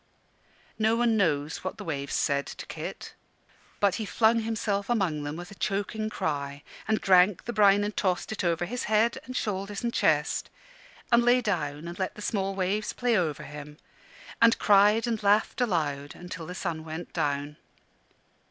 No one knows what the waves said to Kit. But he flung himself among them with a choking cry, and drank the brine and tossed it over his head, and shoulders and chest, and lay down and let the small waves play over him, and cried and laughed aloud till the sun went down.